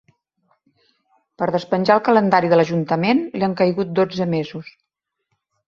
Per despenjar el calendari de l’ajuntament li han caigut dotze mesos.